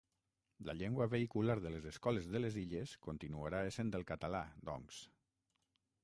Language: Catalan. La llengua vehicular de les escoles de les Illes continuarà essent el català, doncs.